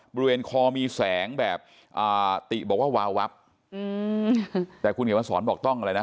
บริเวณคอมีแสงแบบติบอกว่าวาววับแต่คุณเห็นว่าสอนบอกต้องอะไรนะ